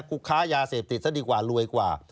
คุกค้ายาเสพติดซะดีกว่ารวยกว่า